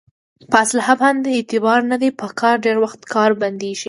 په اصلحه باندې اعتبار نه دی په کار ډېری وخت کار بندېږي.